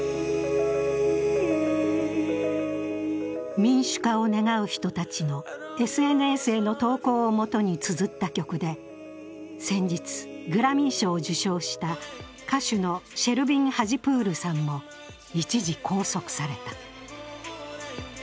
民主化を願う人たちのＳＮＳへの投稿をもとにつづった曲で先日、グラミー賞を受賞した歌手のシェルビン・ハジプールさんも一時、拘束された。